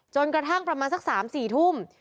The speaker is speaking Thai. จนกระทั่งประมาณสัก๓๔ทุ่ม